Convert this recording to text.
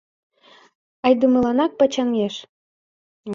Айдемыланак почаҥеш.